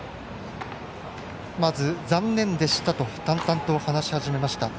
まず、残念でしたと淡々と話し始めました。